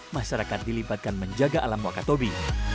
masyarakat dilibatkan menjaga alam wakatobi